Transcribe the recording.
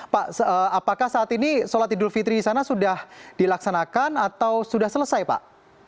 pak apakah saat ini sholat idul fitri di sana sudah dilaksanakan atau sudah selesai pak